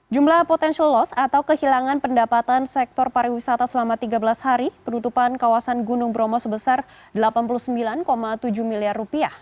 jumlah potential loss atau kehilangan pendapatan sektor pariwisata selama tiga belas hari penutupan kawasan gunung bromo sebesar rp delapan puluh sembilan tujuh miliar